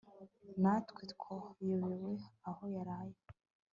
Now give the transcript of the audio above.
natwe twayobewe aho yaraye